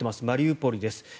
マリウポリです。